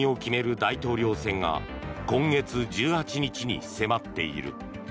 大統領選が今月１８日に迫っている。